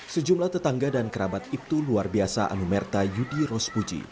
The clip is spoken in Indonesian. sejumlah tetangga dan kerabat ibtu luar biasa anumerta yudi rospuji